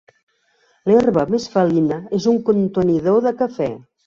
L'herba més felina en un contenidor de cafè.